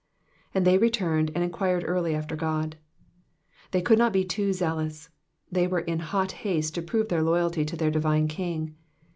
'"And they returned and enquired early after Qod,'*'* They could not be too zealous, tney were in hot haste to prove their loyalty to their divine King.